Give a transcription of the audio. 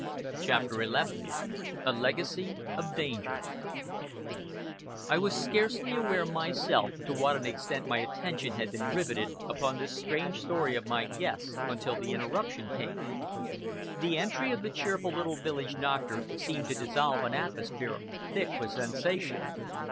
CHAPTER XI A LEGACY OF DANGER I was scarcely aware myself to what an extent my attention had been riveted upon this strange story of my guest's, until the interruption came. The entry of the cheerful little village doctor seemed to dissolve an atmosphere thick with sensation.